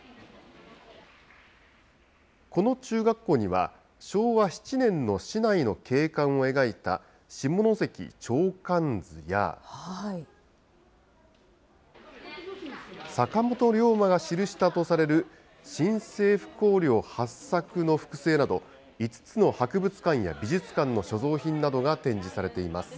この中学校には、昭和７年の市内の景観を描いた下関鳥瞰図や、坂本龍馬が記したとされる新政府綱領八策の複製など、５つの博物館や美術館の所蔵品などが展示されています。